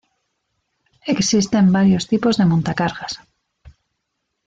Existen varios tipos de montacargas.